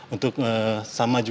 untuk sama juga